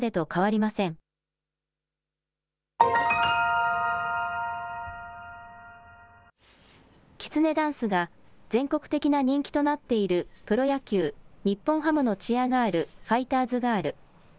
きつねダンスが全国的な人気となっているプロ野球、日本ハムのチアガール、ファイターズガール。